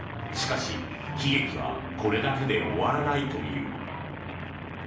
しかし、悲劇はこれだけで終わらないという。